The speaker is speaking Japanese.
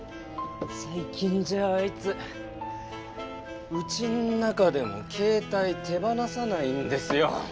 最近じゃあいつうちん中でも携帯手放さないんですよ。